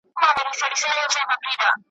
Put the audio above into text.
یو ټبر یو ټوله تور ټوله کارګان یو ,